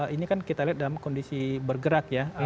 ini kan kita lihat dalam kondisi bergerak ya